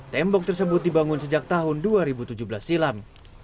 tembok tersebut dibangun sejak tahun dua ribu tujuh belas silam